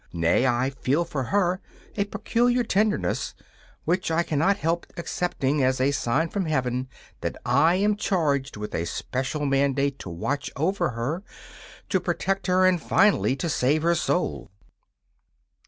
Nay, I feel for her a peculiar tenderness, which I cannot help accepting as a sign from Heaven that I am charged with a special mandate to watch over her, to protect her, and finally to save her soul.